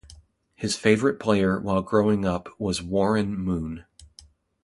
His favorite player while growing up was Warren Moon.